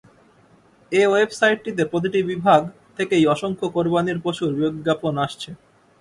এ ওয়েবসাইটটিতে প্রতিটি বিভাগ থেকেই অসংখ্য কোরবানির পশুর বিজ্ঞাপন আসছে।